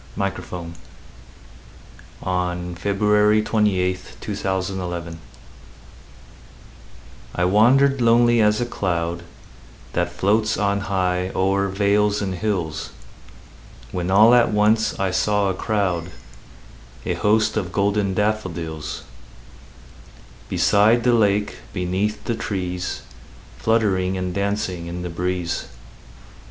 William Wordsworth I Wandered Lonely As a Cloud I WANDERED lonely as a cloud That floats on high o'er vales and hills, When all at once I saw a crowd, A host, of golden daffodils; Beside the lake, beneath the trees, Fluttering and dancing in the breeze.